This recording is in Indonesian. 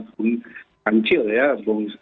bung ancil ya bung